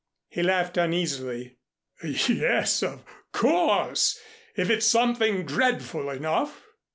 He laughed uneasily. "Yes, of course, if it's something dreadful enough."